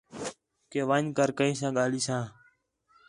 کہ ون٘ڄ کر کئیں ساں ڳاہلیساں